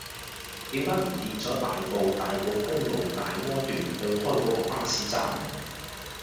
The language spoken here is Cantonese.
點解唔見左大埔大埔公路大窩段對開嗰個巴士站